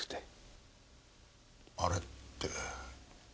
あれって？